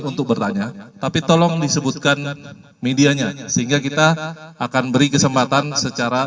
untuk bertanya tapi tolong disebutkan medianya sehingga kita akan beri kesempatan secara